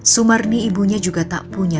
sumarni ibunya juga tak punya